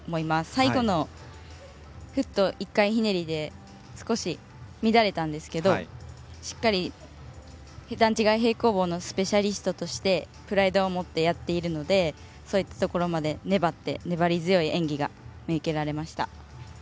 最後のフット１回ひねりで少し乱れたんですけどしっかり、段違い平行棒のスペシャリストとしてプライドを持ってやっているのでそういったところまで粘って粘り強い演技が見受けられました。